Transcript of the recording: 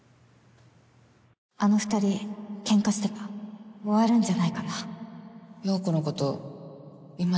あの２人ケンカしてた終わるんじゃないかな陽子のこと